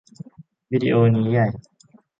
วีดิโอนี่ใหญ่